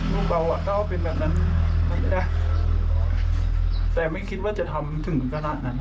ลูกเราอ่ะก็เป็นแบบนั้นแต่ไม่คิดว่าจะทำถึงขนาดนั้นอ่ะ